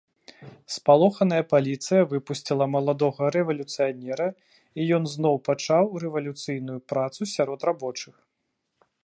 Спалоханая паліцыя выпусціла маладога рэвалюцыянера, і ён зноў пачаў рэвалюцыйную працу сярод рабочых.